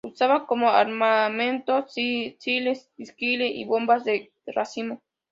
Usaba como armamento misiles Shrike y bombas de racimo.